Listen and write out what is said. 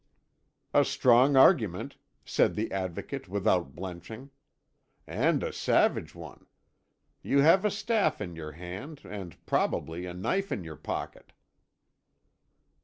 "A strong argument," said the Advocate, without blenching, "and a savage one. You have a staff in your hand, and, probably, a knife in your pocket."